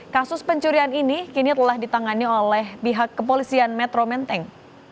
kasus pencurian ini kini telah ditangani oleh pihak kepolisian metro menteng